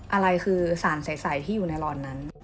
อะไรคือสารใสที่อยู่ในหลอนนั้น